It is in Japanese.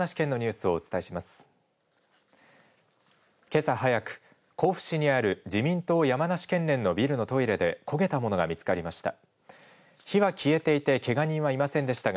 けさ早く甲府市にある自民党山梨県連のビルのトイレで焦げたものが見つかりました。